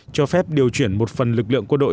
cho phép điều chuyển một phần lực lượng quân đội